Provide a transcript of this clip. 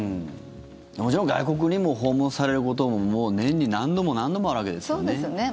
もちろん外国にも訪問されることも年に何度も何度もあるわけですよね。